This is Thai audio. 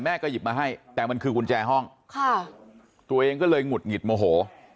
หยิบมาให้แต่มันคือกุญแจห้องค่ะตัวเองก็เลยหงุดหงิดโมโห